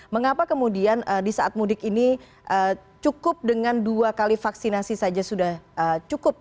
mengapa kemudian di saat mudik ini cukup dengan dua kali vaksinasi saja sudah cukup